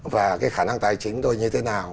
và cái khả năng tài chính tôi như thế nào